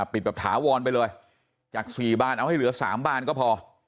ปิดแบบถาวรไปเลยจาก๔บานเอาให้เหลือ๓บานก็พอ